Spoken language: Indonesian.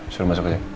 suruh masuk aja